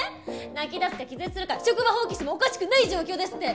泣き出すか気絶するか職場放棄してもおかしくない状況ですって！